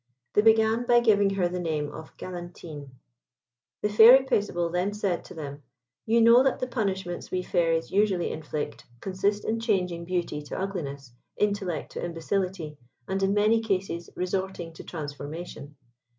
They began by giving her the name of Galantine. The Fairy Paisible then said to them, "You know that the punishments we Fairies usually inflict, consist in changing beauty to ugliness, intellect to imbecility, and in many cases resorting to transformation.